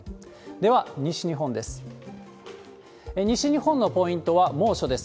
では西日本です。